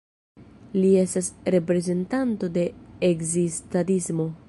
Li estas reprezentanto de Ekzistadismo.